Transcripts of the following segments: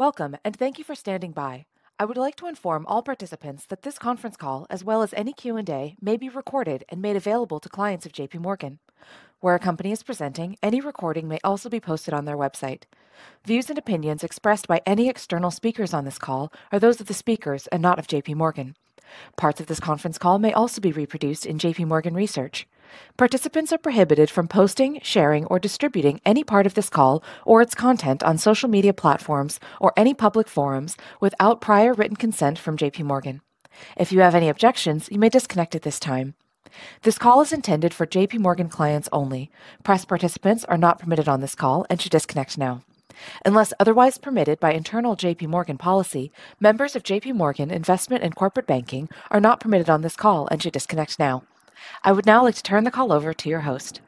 Welcome, and thank you for standing by. I would like to inform all participants that this conference call, as well as any Q&A, may be recorded and made available to clients of J.P. Morgan. Where a company is presenting, any recording may also be posted on their website. Views and opinions expressed by any external speakers on this call are those of the speakers and not of J.P. Morgan. Parts of this conference call may also be reproduced in J.P. Morgan research. Participants are prohibited from posting, sharing, or distributing any part of this call or its content on social media platforms or any public forums without prior written consent from J.P. Morgan. If you have any objections, you may disconnect at this time. This call is intended for J.P. Morgan clients only. Press participants are not permitted on this call and should disconnect now. Unless otherwise permitted by internal J.P. Morgan policy, members of J.P. Morgan Investment and Corporate Banking are not permitted on this call and should disconnect now. I would now like to turn the call over to your host.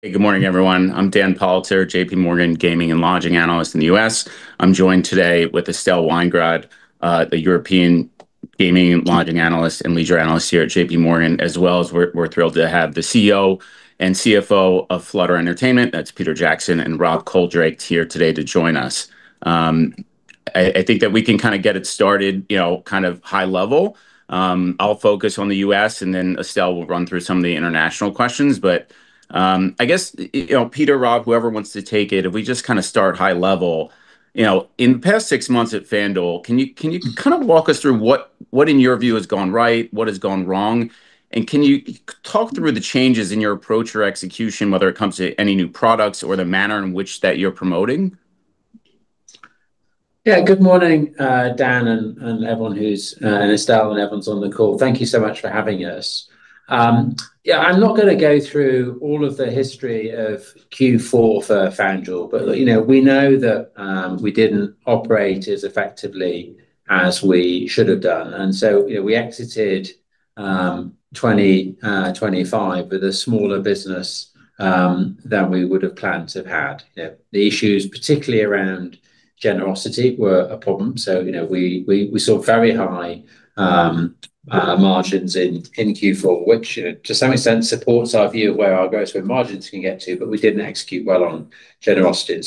Hey, good morning, everyone. I'm Dan Politzer, J.P. Morgan Gaming and Lodging Analyst in the U.S. I'm joined today with Estelle Weingrod, the European Gaming and Lodging Analyst and Leisure Analyst here at J.P. Morgan, as well as we're thrilled to have the CEO and CFO of Flutter Entertainment. That's Peter Jackson and Rob Coldrake here today to join us. I think that we can kinda get it started, you know, kind of high level. I'll focus on the U.S. and then Estelle will run through some of the international questions. I guess, you know, Peter, Rob, whoever wants to take it, if we just kinda start high level. You know, in the past six months at FanDuel, can you kind of walk us through what in your view has gone right, what has gone wrong, and can you talk through the changes in your approach or execution, whether it comes to any new products or the manner in which that you're promoting? Yeah. Good morning, Dan and Estelle and everyone who's on the call. Thank you so much for having us. I'm not gonna go through all of the history of Q4 for FanDuel, but, you know, we know that we didn't operate as effectively as we should have done. We exited 2025 with a smaller business than we would have planned to have had. You know, the issues, particularly around generosity, were a problem. We saw very high margins in Q4, which, you know, to some extent supports our view of where our gross win margins can get to, but we didn't execute well on generosity.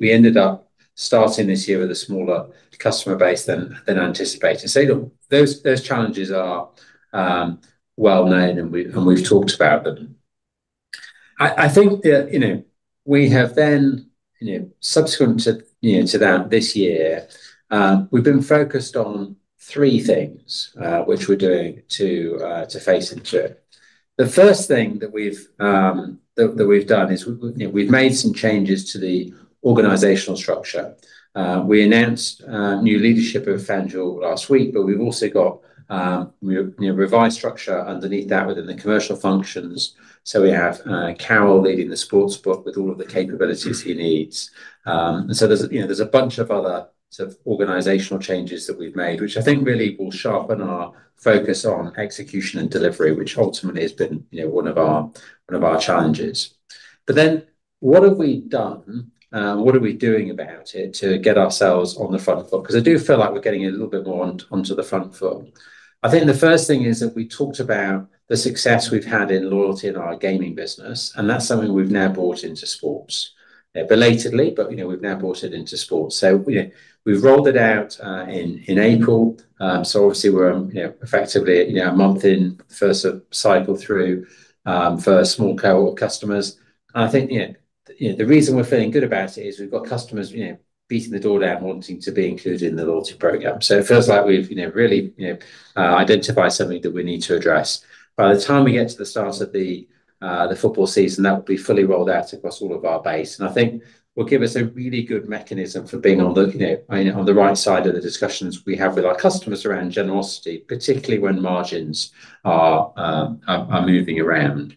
We ended up starting this year with a smaller customer base than anticipated. Look, those challenges are well known, and we've talked about them. I think that we have then subsequent to that this year, we've been focused on three things which we're doing to face into it. The first thing that we've that we've done is we've made some changes to the organizational structure. We announced new leadership of FanDuel last week, but we've also got revised structure underneath that within the commercial functions. We have Karol leading the sportsbook with all of the capabilities he needs. There's a, you know, there's a bunch of other sort of organizational changes that we've made, which I think really will sharpen our focus on execution and delivery, which ultimately has been, you know, one of our challenges. What have we done, what are we doing about it to get ourselves on the front foot? I do feel like we're getting a little bit more onto the front foot. I think the first thing is that we talked about the success we've had in loyalty in our gaming business, and that's something we've now brought into sports. Belatedly, but, you know, we've now brought it into sports. We've rolled it out, in April. Obviously we're, you know, effectively, you know, one month in for a sort of cycle through, for small cohort customers. I think, you know, you know, the reason we're feeling good about it is we've got customers, you know, beating the door down, wanting to be included in the loyalty program. It feels like we've, you know, really, you know, identified something that we need to address. By the time we get to the start of the football season, that will be fully rolled out across all of our base. I think will give us a really good mechanism for being on the, you know, on the right side of the discussions we have with our customers around generosity, particularly when margins are moving around.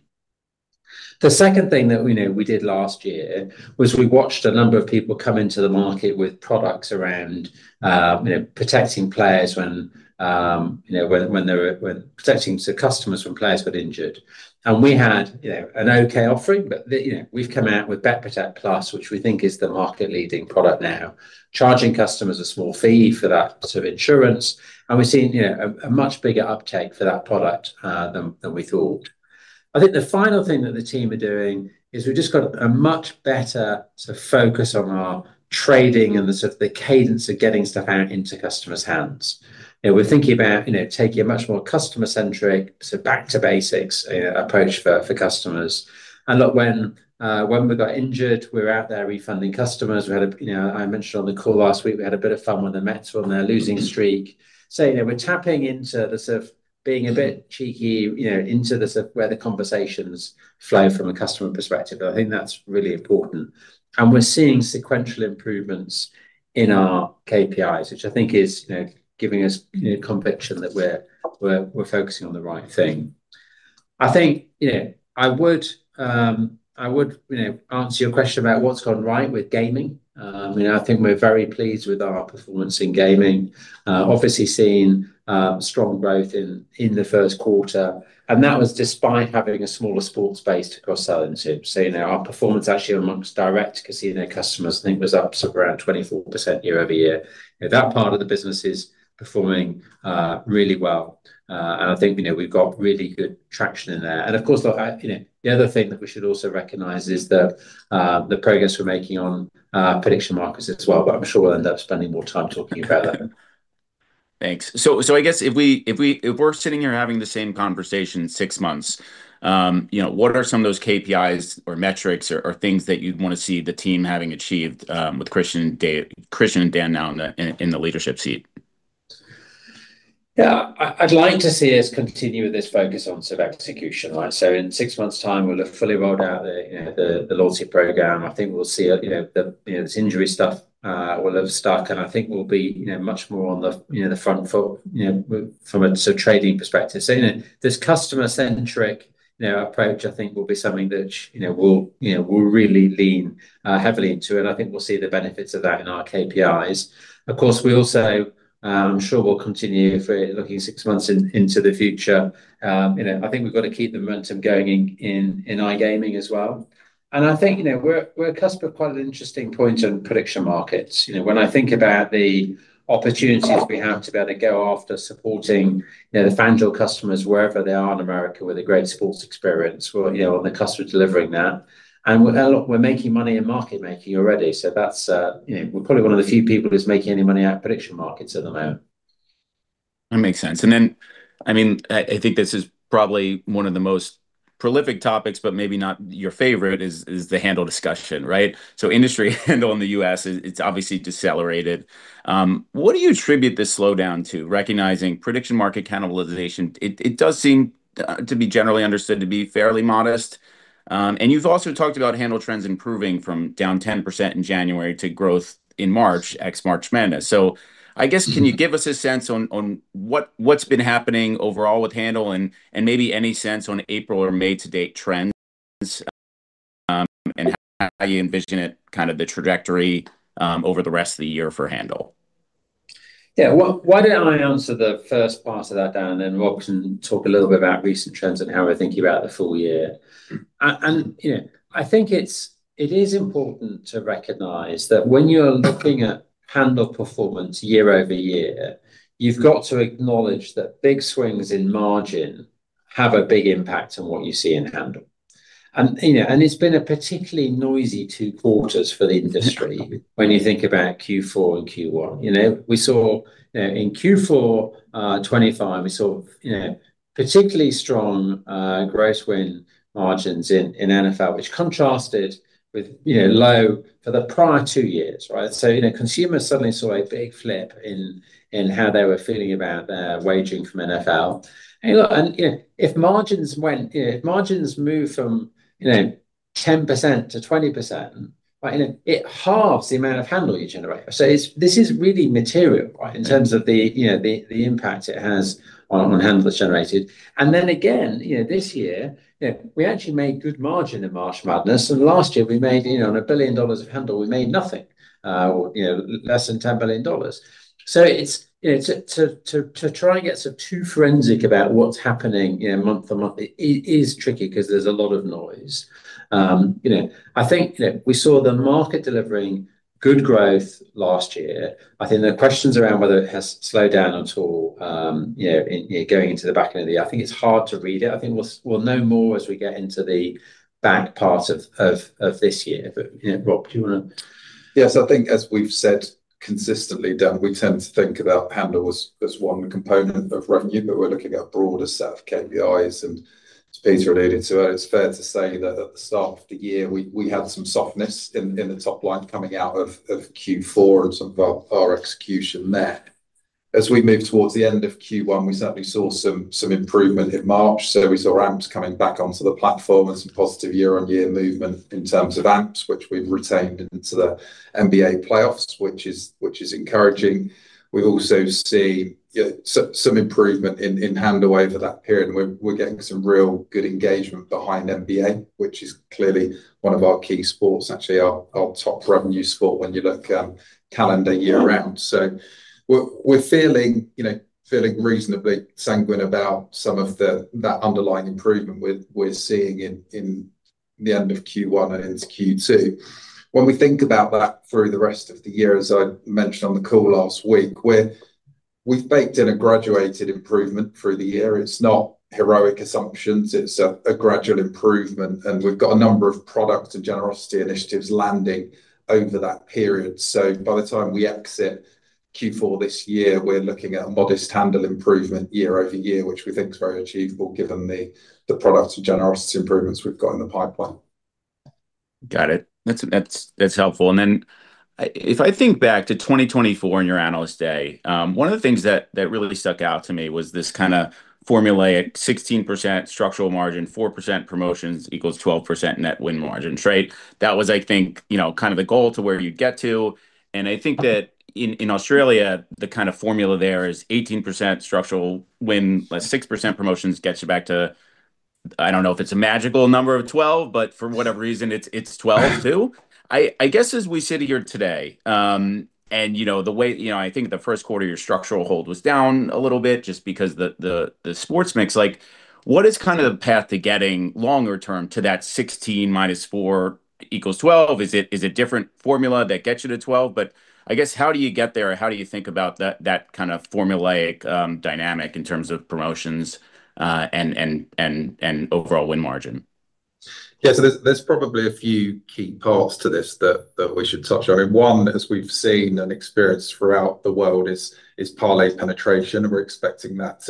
The second thing that we know we did last year was we watched a number of people come into the market with products around, you know, protecting players when, you know, protecting sort of customers when players got injured. We had, you know, an okay offering, but we've come out with BetProtect+, which we think is the market-leading product now, charging customers a small fee for that sort of insurance. We're seeing, you know, a much bigger uptake for that product than we thought. I think the final thing that the team are doing is we've just got a much better sort of focus on our trading and the sort of the cadence of getting stuff out into customers' hands. You know, we're thinking about, you know, taking a much more customer-centric, back to basics, you know, approach for customers. Look, when we got injured, we were out there refunding customers. I mentioned on the call last week, we had a bit of fun when the Mets were on their losing streak. You know, we're tapping into the sort of being a bit cheeky, you know, into the sort of where the conversations flow from a customer perspective. I think that's really important. We're seeing sequential improvements in our KPIs, which I think is, you know, giving us, you know, conviction that we're focusing on the right thing. I think, you know, I would, you know, answer your question about what's gone right with gaming. You know, I think we're very pleased with our performance in gaming. Obviously seeing strong growth in the first quarter. That was despite having a smaller sports base to cross-sell into. You know, our performance actually amongst direct casino customers I think was up sort of around 24% year-over-year. You know, that part of the business is performing really well. I think, you know, we've got really good traction in there. Of course, like I, you know, the other thing that we should also recognize is the progress we're making on prediction markets as well. I'm sure we'll end up spending more time talking about that. Thanks. I guess if we're sitting here having the same conversation six months, you know, what are some of those KPIs or metrics or things that you'd wanna see the team having achieved with Christian and Dan now in the leadership seat? Yeah. I'd like to see us continue with this focus on sort of execution, right? In six months' time we'll have fully rolled out the loyalty program. I think we'll see this injury stuff will have stuck, and I think we'll be much more on the front foot from a sort of trading perspective. This customer-centric approach I think will be something that we'll really lean heavily into, and I think we'll see the benefits of that in our KPIs. Of course, we also, I'm sure we'll continue for looking six months into the future. I think we've gotta keep the momentum going in iGaming as well. I think, you know, we're at the cusp of quite an interesting point on prediction markets. You know, when I think about the opportunities we have to be able to go after supporting, you know, the FanDuel customers wherever they are in America with a great sports experience. We're, you know, the customer delivering that. We're, look, we're making money in market making already, so that's, you know, we're probably one of the few people who's making any money out of prediction markets at the moment. That makes sense. I mean, I think this is probably one of the most prolific topics, but maybe not your favorite, is the handle discussion, right? Industry handle in the U.S. it's obviously decelerated. What do you attribute this slowdown to? Recognizing prediction market cannibalization, it does seem to be generally understood to be fairly modest. You've also talked about handle trends improving from down 10% in January to growth in March, ex March Madness. I guess, can you give us a sense on what's been happening overall with handle and maybe any sense on April or May to date trends, and how you envision it, kind of the trajectory over the rest of the year for handle? Yeah. Why don't I answer the first part of that, Dan, and Rob can talk a little bit about recent trends and how we're thinking about the full year. You know, I think it is important to recognize that when you're looking at handle performance year-over-year, you've got to acknowledge that big swings in margin have a big impact on what you see in hand. You know, it's been a particularly noisy two quarters for the industry when you think about Q4 and Q1. You know, we saw in Q4 2025, we saw, you know, particularly strong gross win margins in NFL, which contrasted with, you know, low for the prior two years, right? You know, consumers suddenly saw a big flip in how they were feeling about their wagering from NFL. Look, and, you know, if margins went, you know, if margins move from, you know, 10%-20%, right, and it halves the amount of handle you generate. It's, this is really material, right, in terms of the, you know, the impact it has on handles generated. Then again, you know, this year, you know, we actually made good margin in March Madness, and last year we made, you know, on $1 billion of handle, we made nothing, you know, less than $10 billion. It's, you know, to try and get sort of too forensic about what's happening, you know, month-to-month, it is tricky 'cause there's a lot of noise. you know, I think that we saw the market delivering good growth last year. I think there are questions around whether it has slowed down at all, you know, in, you know, going into the back end of the year. I think it's hard to read it. I think we'll know more as we get into the back part of this year. You know, Rob. Yes. I think as we've said consistently, Dan, we tend to think about handle as one component of revenue, but we're looking at a broader set of KPIs. As Peter alluded to, it's fair to say that at the start of the year we had some softness in the top line coming out of Q4 and some of our execution there. As we move towards the end of Q1, we certainly saw some improvement in March. We saw AMPs coming back onto the platform and some positive year-on-year movement in terms of AMPs, which we've retained into the NBA playoffs, which is encouraging. We've also seen, you know, some improvement in handle over that period, and we're getting some real good engagement behind NBA, which is clearly one of our key sports, actually our top revenue sport when you look calendar year round. We're feeling, you know, reasonably sanguine about some of that underlying improvement we're seeing in the end of Q1 and into Q2. When we think about that through the rest of the year, as I mentioned on the call last week, we've baked in a graduated improvement through the year. It's not heroic assumptions, it's a gradual improvement, and we've got a number of product and generosity initiatives landing over that period. By the time we exit Q4 this year, we're looking at a modest handle improvement year-over-year, which we think is very achievable given the product and generosity improvements we've got in the pipeline. Got it. That's helpful. If I think back to 2024 in your Analyst Day, one of the things that really stuck out to me was this kind of formulaic 16% structural margin, 4% promotions equals 12% net win margin, right? That was, I think, you know, kind of the goal to where you'd get to. I think that in Australia, the kind of formula there is 18% structural win, plus 6% promotions gets you back to, I don't know if it's a magical number of 12%, but for whatever reason it's 12%, too. I guess as we sit here today, you know, the way, you know, I think the first quarter your structural hold was down a little bit just because the sports mix. Like, what is kind of the path to getting longer term to that 16% minus 4% equals 12%? Is it different formula that gets you to 12%? I guess, how do you get there? How do you think about that kind of formulaic dynamic in terms of promotions, and overall win margin? There's probably a few key parts to this that we should touch on. One, as we've seen and experienced throughout the world is parlay penetration. We're expecting that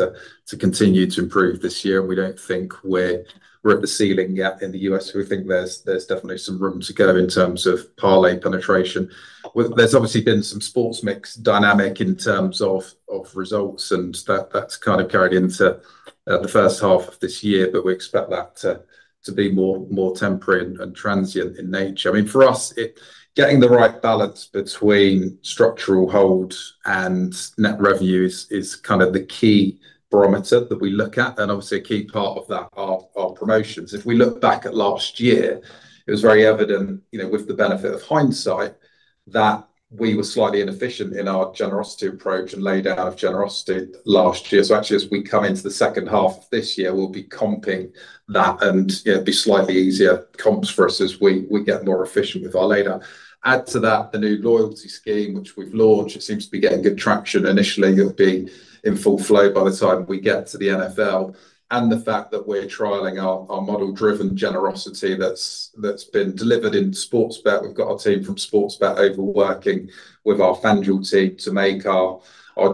to continue to improve this year. We don't think we're at the ceiling yet in the U.S. We think there's definitely some room to go in terms of parlay penetration. There's obviously been some sports mix dynamic in terms of results, and that's kind of carried into the first half of this year. We expect that to be more temporary and transient in nature. I mean, for us, getting the right balance between structural hold and net revenue is kind of the key barometer that we look at, and obviously a key part of that are our promotions. If we look back at last year, it was very evident, you know, with the benefit of hindsight, that we were slightly inefficient in our generosity approach and laid out of generosity last year. Actually, as we come into the second half of this year, we'll be comping that and, you know, be slightly easier comps for us as we get more efficient with our laydown. Add to that the new loyalty scheme which we've launched, it seems to be getting good traction initially. It'll be in full flow by the time we get to the NFL. The fact that we're trialing our model-driven generosity that's been delivered in Sportsbet. We've got our team from Sportsbet over working with our FanDuel team to make our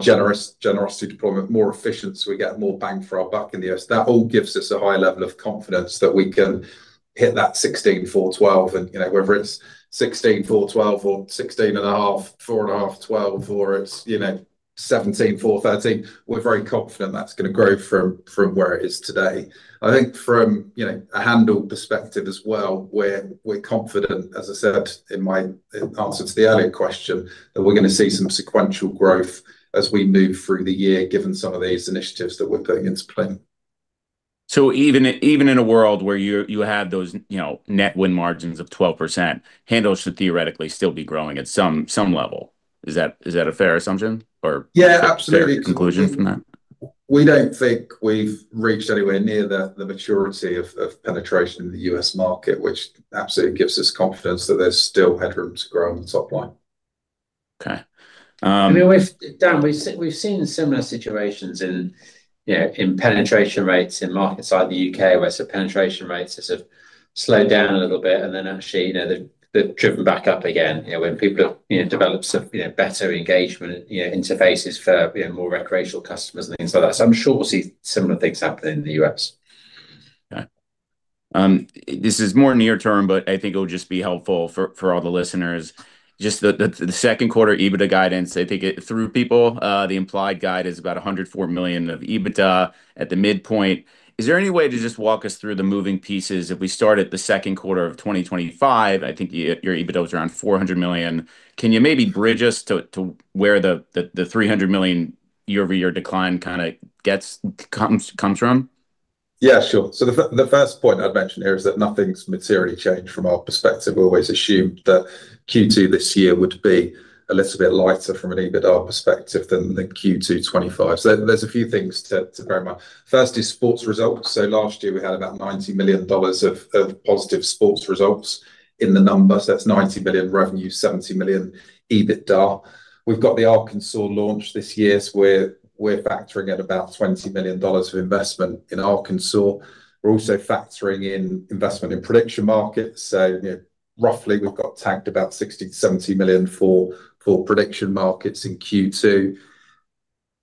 generosity deployment more efficient, so we get more bang for our buck in the U.S. That all gives us a high level of confidence that we can hit that 16%, 4%, 12%. You know, whether it's 16%, 4%, 12% or 16.5%, 4.5%, 12%, or it's, you know, 17%, 4%, 13%, we're very confident that's gonna grow from where it is today. I think from, you know, a handle perspective as well, we're confident, as I said in answer to the earlier question, that we're gonna see some sequential growth as we move through the year given some of these initiatives that we're putting into play. Even in a world where you have those, you know, net win margins of 12%, handles should theoretically still be growing at some level. Is that a fair assumption? Yeah, absolutely. Fair conclusion from that? We don't think we've reached anywhere near the maturity of penetration in the U.S. market, which absolutely gives us confidence that there's still headroom to grow on the top line. Okay. I mean, Dan, we've seen similar situations in, you know, in penetration rates in markets like the U.K. where sort of penetration rates have sort of slowed down a little bit and then actually, you know, they've driven back up again. You know, when people have, you know, developed some, you know, better engagement, you know, interfaces for, you know, more recreational customers and things like that. I'm sure we'll see similar things happen in the U.S. Okay. This is more near term, I think it would just be helpful for all the listeners. Just the second quarter EBITDA guidance, the implied guide is about $104 million of EBITDA at the midpoint. Is there any way to just walk us through the moving pieces? If we start at the second quarter of 2025, I think your EBITDA was around $400 million. Can you maybe bridge us to where the $300 million year-over-year decline comes from? Yeah, sure. The first point I'd mention here is that nothing's materially changed from our perspective. We always assumed that Q2 this year would be a little bit lighter from an EBITDA perspective than Q2 2025. There's a few things to bear in mind. First is sports results. Last year we had about $90 million of positive sports results in the numbers. That's $90 million revenue, $70 million EBITDA. We've got the Arkansas launch this year, so we're factoring in about $20 million of investment in Arkansas. We're also factoring in investment in prediction markets. You know, roughly we've got tagged about $60 million-$70 million for prediction markets in Q2.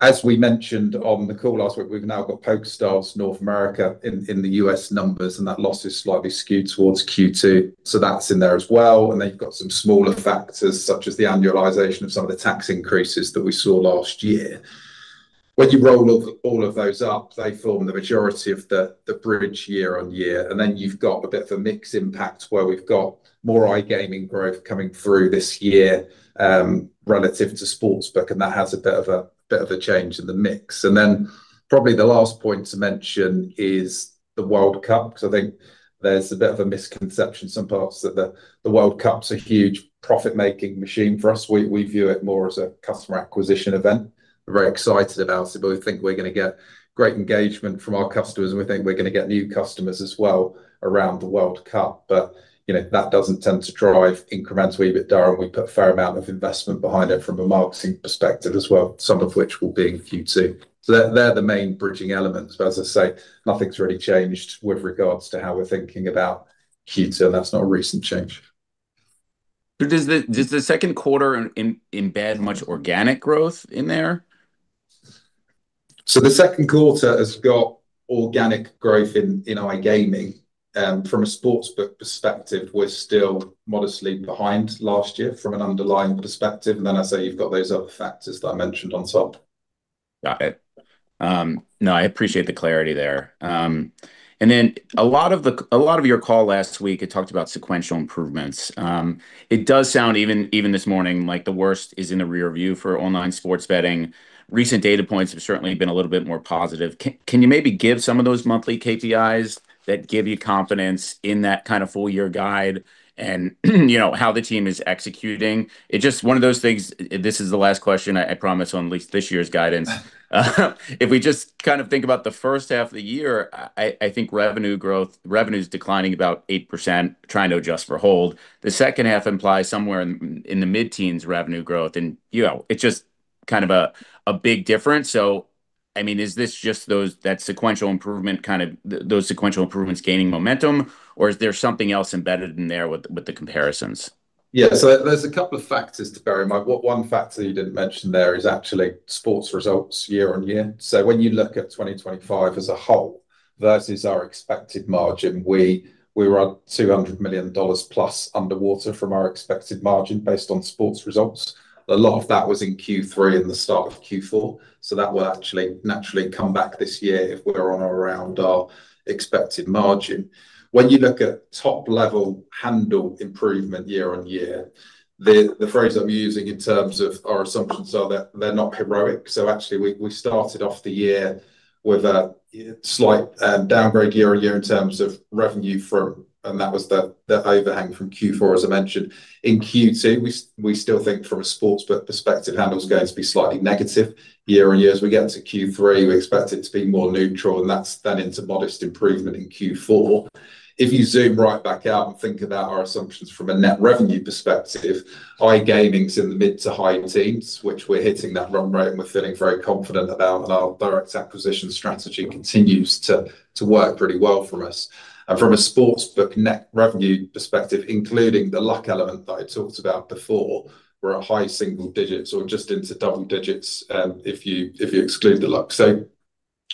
As we mentioned on the call last week, we've now got PokerStars North America in the U.S. numbers, that loss is slightly skewed towards Q2. That's in there as well. You've got some smaller factors such as the annualization of some of the tax increases that we saw last year. When you roll all of those up, they form the majority of the bridge year-on-year. You've got a bit of a mix impact where we've got more iGaming growth coming through this year relative to sportsbook, and that has a bit of a change in the mix. Probably the last point to mention is the World Cup, 'cause I think there's a bit of a misconception in some parts that the World Cup's a huge profit-making machine for us. We view it more as a customer acquisition event. We're very excited about it, we think we're gonna get great engagement from our customers, and we think we're gonna get new customers as well around the World Cup. You know, that doesn't tend to drive incremental EBITDA. We put a fair amount of investment behind it from a marketing perspective as well, some of which will be in Q2. They're the main bridging elements. As I say, nothing's really changed with regards to how we're thinking about Q2. That's not a recent change. Does the second quarter embed much organic growth in there? The second quarter has got organic growth in iGaming. From a sportsbook perspective, we're still modestly behind last year from an underlying perspective. I say you've got those other factors that I mentioned on top. Got it. No, I appreciate the clarity there. And then a lot of your call last week had talked about sequential improvements. It does sound even this morning like the worst is in the rear view for online sports betting. Recent data points have certainly been a little bit more positive. Can you maybe give some of those monthly KPIs that give you confidence in that kind of full-year guide and, you know, how the team is executing? It's just one of those things, this is the last question, I promise, on at least this year's guidance. If we just kind of think about the first half of the year, I think revenue growth, revenue's declining about 8%, trying to adjust for hold. The second half implies somewhere in the mid-teens revenue growth. You know, it's just kind of a big difference. I mean, is this just that sequential improvement kind of those sequential improvements gaining momentum, or is there something else embedded in there with the comparisons? Yeah. There's a couple of factors to bear in mind. One factor you didn't mention there is actually sports results year-on-year. When you look at 2025 as a whole versus our expected margin, we were at $200+ million underwater from our expected margin based on sports results. A lot of that was in Q3 and the start of Q4, that will actually naturally come back this year if we're on or around our expected margin. When you look at top-level handle improvement year-on-year, the phrase I'm using in terms of our assumptions are they're not heroic. Actually, we started off the year with a slight downgrade year-on-year in terms of revenue from and that was the overhang from Q4, as I mentioned. In Q2, we still think from a Sportsbook perspective, handle's going to be slightly negative year-on-year. As we get into Q3, we expect it to be more neutral, and that's then into modest improvement in Q4. If you zoom right back out and think about our assumptions from a net revenue perspective, iGaming's in the mid to high teens, which we're hitting that run rate and we're feeling very confident about, and our direct acquisition strategy continues to work pretty well for us. From a Sportsbook net revenue perspective, including the luck element that I talked about before, we're at high single digits or just into double digits, if you, if you exclude the luck.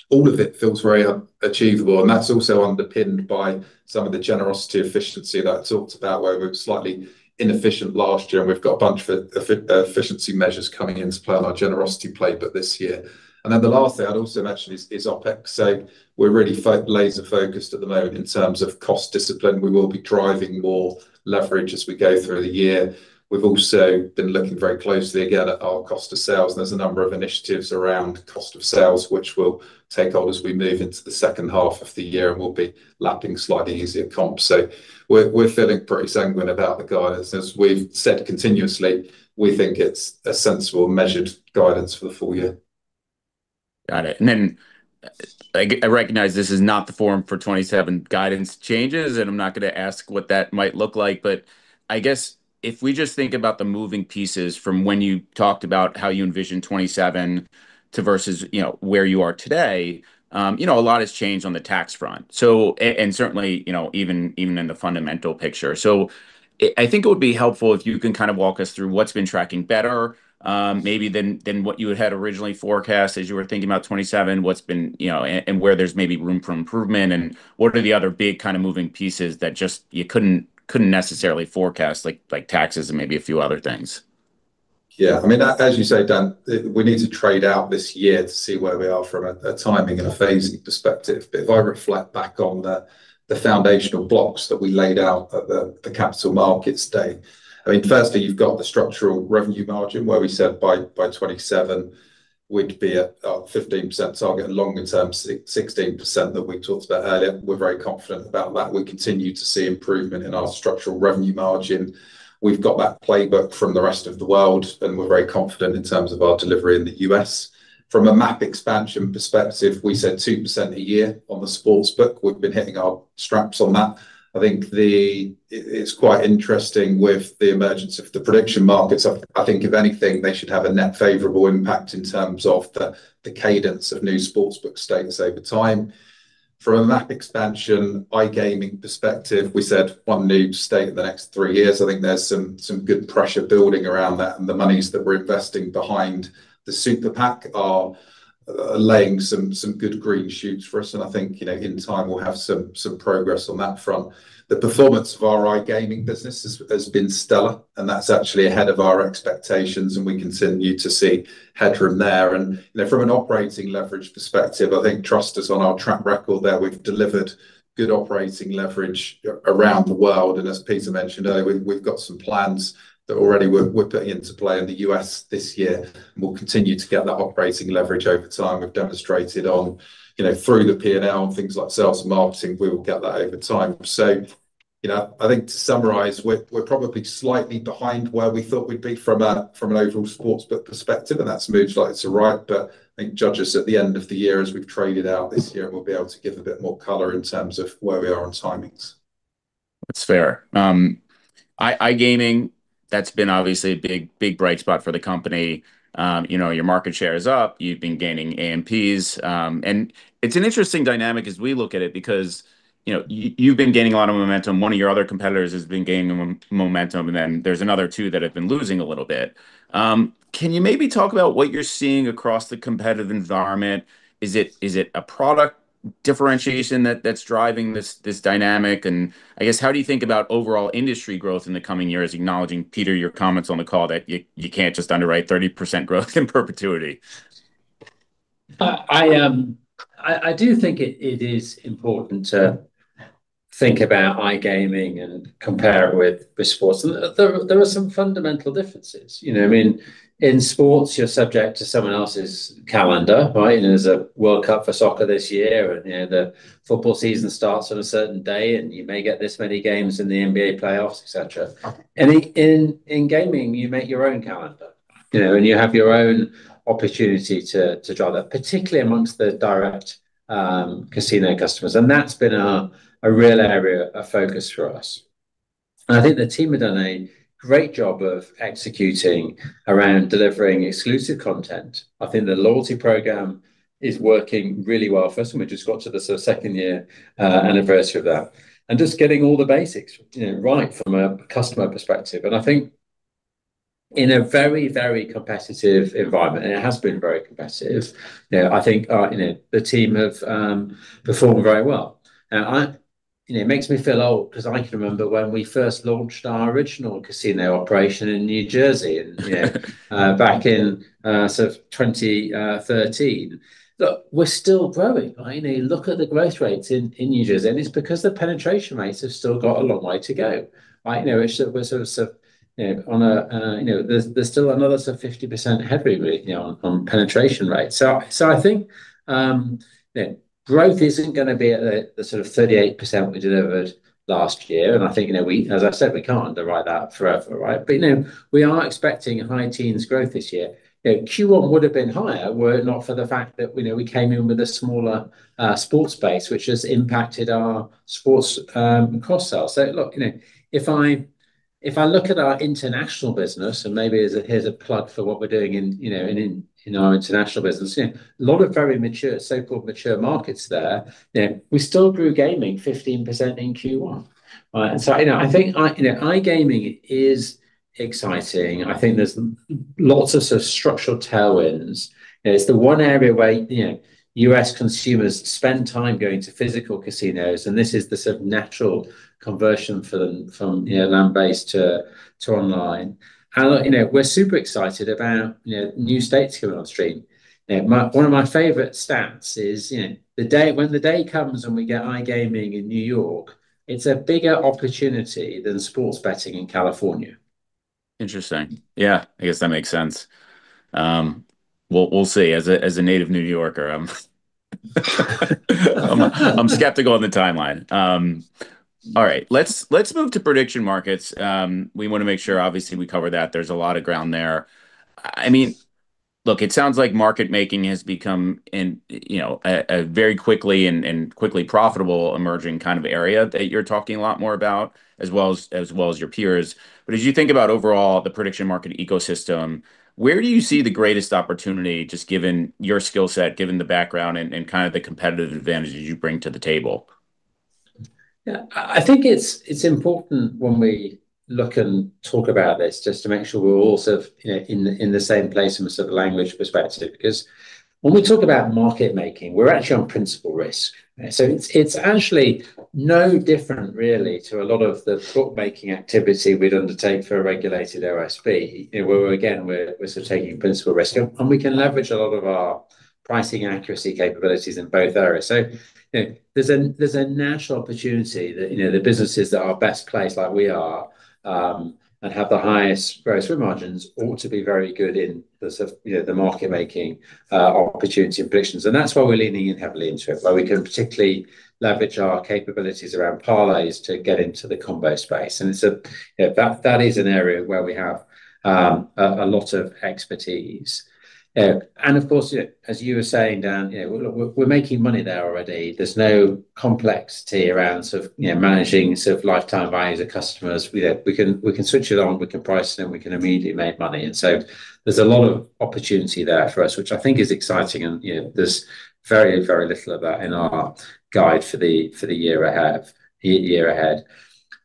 All of it feels very achievable, and that's also underpinned by some of the generosity efficiency that I talked about, where we were slightly inefficient last year, and we've got a bunch of efficiency measures coming into play on our generosity playbook this year. The last thing I'd also mention is OpEx. We're really laser-focused at the moment in terms of cost discipline. We will be driving more leverage as we go through the year. We've also been looking very closely again at our cost of sales, and there's a number of initiatives around cost of sales which will take hold as we move into the second half of the year and we'll be lapping slightly easier comps. We're feeling pretty sanguine about the guidance. As we've said continuously, we think it's a sensible, measured guidance for the full year. Got it. I recognize this is not the forum for 2027 guidance changes, and I'm not gonna ask what that might look like. I guess if we just think about the moving pieces from when you talked about how you envision 2027 to versus, you know, where you are today, you know, a lot has changed on the tax front, and certainly, you know, even in the fundamental picture. I think it would be helpful if you can kind of walk us through what's been tracking better, maybe than what you had originally forecast as you were thinking about 2027, what's been, you know, and where there's maybe room for improvement. What are the other big kind of moving pieces that just you couldn't necessarily forecast, like taxes and maybe a few other things? Yeah. I mean, as you say, Dan, we need to trade out this year to see where we are from a timing and a phasing perspective. If I reflect back on the foundational blocks that we laid out at the Capital Markets Day, I mean, firstly, you've got the structural revenue margin, where we said by 2027 we'd be at our 15% target and longer-term 16% that we talked about earlier. We're very confident about that. We continue to see improvement in our structural revenue margin. We've got that playbook from the rest of the world, and we're very confident in terms of our delivery in the U.S. From a map expansion perspective, we said 2% a year on the Sportsbook. We've been hitting our straps on that. I think it's quite interesting with the emergence of the prediction markets. I think if anything, they should have a net favorable impact in terms of the cadence of new Sportsbook states over time. From a map expansion iGaming perspective, we said one new state in the next three years. I think there's some good pressure building around that, and the monies that we're investing behind the super PAC are laying some good green shoots for us. I think, you know, in time we'll have some progress on that front. The performance of our iGaming business has been stellar, and that's actually ahead of our expectations, and we continue to see headroom there. From an operating leverage perspective, I think trust us on our track record there. We've delivered good operating leverage around the world. As Peter mentioned earlier, we've got some plans that already we're putting into play in the U.S. this year, and we'll continue to get that operating leverage over time. We've demonstrated on, you know, through the P&L and things like sales and marketing, we will get that over time. You know, I think to summarize, we're probably slightly behind where we thought we'd be from an overall sportsbook perspective, and that's Politzer's right. I think judge us at the end of the year as we've traded out this year, and we'll be able to give a bit more color in terms of where we are on timings. That's fair. iGaming, that's been obviously a big bright spot for the company. You know, your market share is up. You've been gaining AMPs. It's an interesting dynamic as we look at it because, you know, you've been gaining a lot of momentum. One of your other competitors has been gaining momentum, there's another two that have been losing a little bit. Can you maybe talk about what you're seeing across the competitive environment? Is it a product differentiation that's driving this dynamic? I guess, how do you think about overall industry growth in the coming years, acknowledging, Peter, your comments on the call that you can't just underwrite 30% growth in perpetuity? I do think it is important to think about iGaming and compare it with sports. There are some fundamental differences. You know, I mean, in sports, you're subject to someone else's calendar, right? There's a World Cup for soccer this year, and, you know, the football season starts on a certain day, and you may get this many games in the NBA playoffs, et cetera. In gaming, you make your own calendar, you know, and you have your own opportunity to drive that, particularly amongst the direct casino customers. That's been a real area of focus for us. I think the team have done a great job of executing around delivering exclusive content. I think the loyalty program is working really well for us. We just got to the sort of second year anniversary of that. Just getting all the basics, you know, right from a customer perspective. I think in a very, very competitive environment, and it has been very competitive, you know, I think, you know, the team have performed very well. You know, it makes me feel old because I can remember when we first launched our original casino operation in New Jersey, you know, back in 2013. Look, we're still growing, right? You know, you look at the growth rates in New Jersey, and it's because the penetration rates have still got a long way to go, right? You know, we're sort of, you know, on a, you know, there's still another sort of 50% headroom really, you know, on penetration rates. I think, you know, growth isn't gonna be at the sort of 38% we delivered last year. I think, you know, as I've said, we can't underwrite that forever, right? You know, we are expecting high teens growth this year. You know, Q1 would've been higher were it not for the fact that, you know, we came in with a smaller sports base, which has impacted our sports cross-sells. Look, you know, if I look at our international business and maybe as a plug for what we're doing in, you know, in our international business. You know, a lot of very mature, so-called mature markets there. You know, we still grew gaming 15% in Q1, right? You know, I think, you know, iGaming is exciting. I think there's lots of sort of structural tailwinds. You know, it's the 1 area where, you know, U.S. consumers spend time going to physical casinos, and this is the sort of natural conversion for them from, you know, land-based to online. Look, you know, we're super excited about, you know, new states coming on stream. You know, one of my favorite stats is, you know, when the day comes and we get iGaming in New York, it's a bigger opportunity than sports betting in California. Interesting. Yeah, I guess that makes sense. We'll see. As a native New Yorker, I'm skeptical on the timeline. All right. Let's move to prediction markets. We wanna make sure obviously we cover that. There's a lot of ground there. I mean, look, it sounds like market-making has become an, you know, a very quickly and quickly profitable emerging kind of area that you're talking a lot more about, as well as your peers. As you think about overall the prediction market ecosystem, where do you see the greatest opportunity just given your skill set, given the background and kind of the competitive advantages you bring to the table? I think it's important when we look and talk about this just to make sure we're all sort of, you know, in the same place from a sort of language perspective. When we talk about market-making, we're actually on principal risk. It's actually no different really to a lot of the bookmaking activity we'd undertake for a regulated RSB. You know, where again, we're sort of taking principal risk. We can leverage a lot of our pricing accuracy capabilities in both areas. You know, there's a natural opportunity that, you know, the businesses that are best placed like we are, and have the highest gross win margins ought to be very good in the sort of, you know, the market-making opportunity and predictions. That's why we're leaning in heavily into it, where we can particularly leverage our capabilities around parlays to get into the combo space. It's, you know, that is an area where we have a lot of expertise. Of course, you know, as you were saying, Dan, you know, look, we're making money there already. There's no complexity around sort of, you know, managing sort of lifetime value of customers. You know, we can switch it on, we can price it, and we can immediately make money. There's a lot of opportunity there for us, which I think is exciting. You know, there's very little of that in our guide for the year ahead.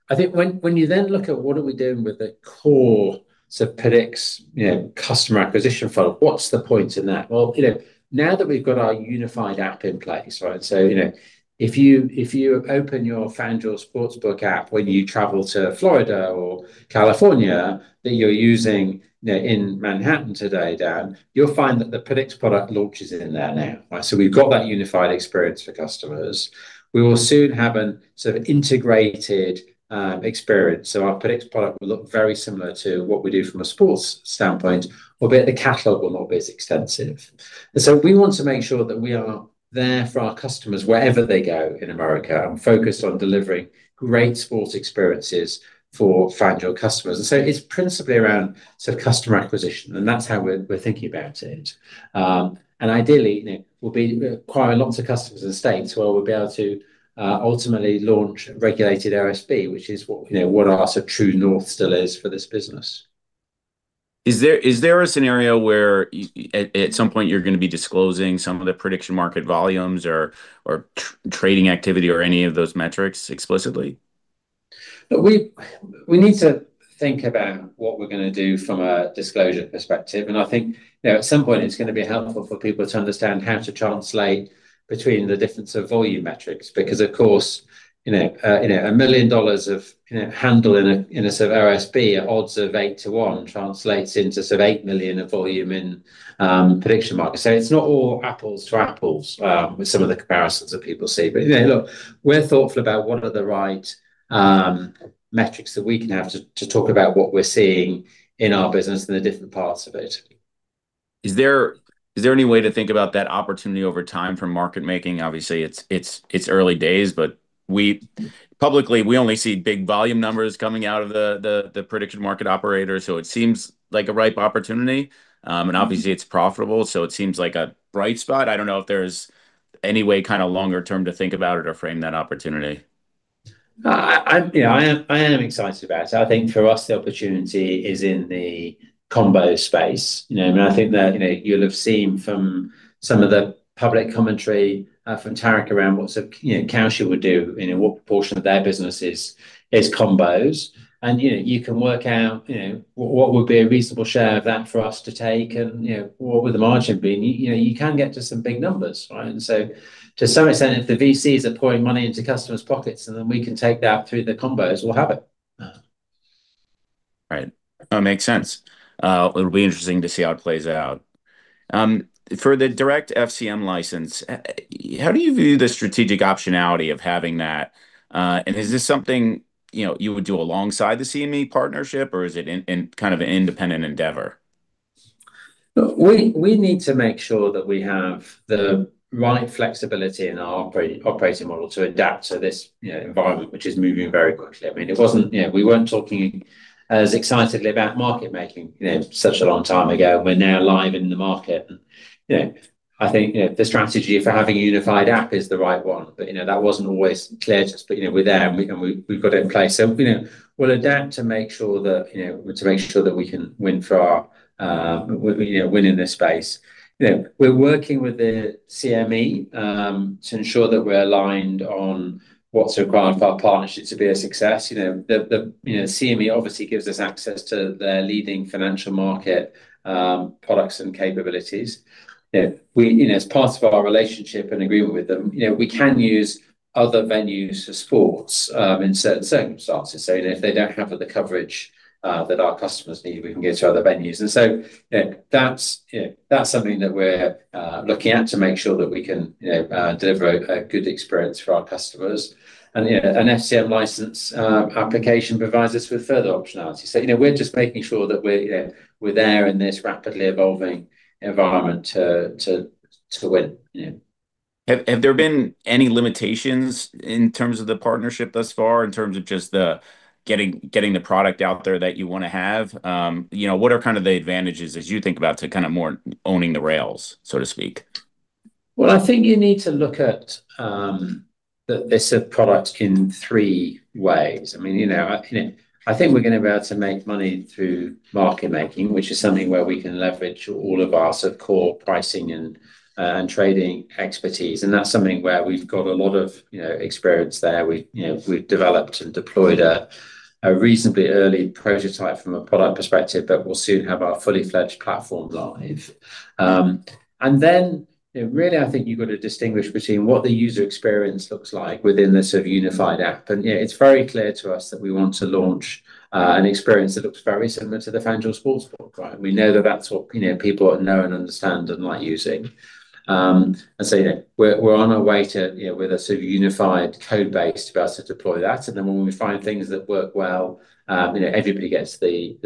I think when you then look at what are we doing with the core sort of Predicts, you know, customer acquisition funnel, what's the point in that? Well, you know, now that we've got our unified app in place, right? You know, if you open your FanDuel Sportsbook app when you travel to Florida or California that you're using, you know, in Manhattan today, Dan, you'll find that the Predicts product launches in there now, right? We've got that unified experience for customers. We will soon have an sort of integrated experience. Our Predicts product will look very similar to what we do from a sports standpoint, albeit the catalog will not be as extensive. We want to make sure that we are there for our customers wherever they go in America and focused on delivering great sports experiences for FanDuel customers. It's principally around sort of customer acquisition, and that's how we're thinking about it. Ideally, you know, we'll be acquiring lots of customers in the States where we'll be able to ultimately launch regulated RSB, which is what, you know, what our sort of true north still is for this business. Is there a scenario where at some point you're gonna be disclosing some of the prediction market volumes or trading activity or any of those metrics explicitly? Look, we need to think about what we're going to do from a disclosure perspective. I think, you know, at some point it's going to be helpful for people to understand how to translate between the difference of volume metrics. Of course, you know, a $1 million of, you know, handle in a sort of RSB at odds of $8 million to $1 million translates into sort of $8 million of volume in prediction markets. It's not all apples to apples with some of the comparisons that people see. You know, look, we're thoughtful about what are the right metrics that we can have to talk about what we're seeing in our business and the different parts of it. Is there any way to think about that opportunity over time for market making? Obviously, it's early days, publicly, we only see big volume numbers coming out of the prediction market operators, so it seems like a ripe opportunity. Obviously it's profitable, so it seems like a bright spot. I don't know if there's any way kinda longer term to think about it or frame that opportunity. I'm, you know, I am excited about it. I think for us the opportunity is in the combo space. You know, and I think that, you know, you'll have seen from some of the public commentary, from Tariq around what's, you know, Kalshi would do. You know, what proportion of their business is combos. And, you know, you can work out, you know, what would be a reasonable share of that for us to take and, you know, what would the margin be. You know, you can get to some big numbers, right? To some extent, if the VCs are pouring money into customers' pockets and then we can take that through the combos, we'll have it. Right. That makes sense. It'll be interesting to see how it plays out. For the direct FCM license, how do you view the strategic optionality of having that? Is this something, you know, you would do alongside the CME partnership, or is it a kind of independent endeavor? Look, we need to make sure that we have the right flexibility in our operating model to adapt to this, you know, environment, which is moving very quickly. I mean, it wasn't, you know, we weren't talking as excitedly about market-making, you know, such a long time ago. We're now live in the market. You know, I think, you know, the strategy for having a unified app is the right one, but, you know, that wasn't always clear to us. You know, we're there and we've got it in place. You know, we'll adapt to make sure that, you know, to make sure that we can win for our, you know, win in this space. You know, we're working with the CME to ensure that we're aligned on what's required for our partnership to be a success. You know, the, you know, CME obviously gives us access to their leading financial market products and capabilities. You know, we, you know, as part of our relationship and agreement with them, you know, we can use other venues for sports in certain circumstances. If they don't have the coverage that our customers need, we can go to other venues. You know, that's, you know, that's something that we're looking at to make sure that we can, you know, deliver a good experience for our customers. You know, an FCM license application provides us with further optionality. You know, we're just making sure that we're, you know, we're there in this rapidly evolving environment to win. You know. Have there been any limitations in terms of the partnership thus far, in terms of just the getting the product out there that you wanna have? You know, what are kind of the advantages as you think about to kind of more owning the rails, so to speak? Well, I think you need to look at the, this product in three ways. I mean, you know, I think we're gonna be able to make money through market-making, which is something where we can leverage all of our sort of core pricing and trading expertise, and that's something where we've got a lot of, you know, experience there. We, you know, we've developed and deployed a reasonably early prototype from a product perspective that will soon have our fully fledged platform live. You know, really I think you've got to distinguish between what the user experience looks like within the sort of unified app. It's very clear to us that we want to launch an experience that looks very similar to the FanDuel Sportsbook, right? We know that that's what, you know, people know and understand and like using. So, you know, we're on our way to, you know, with a sort of unified code base to be able to deploy that. Then when we find things that work well, you know, everybody gets the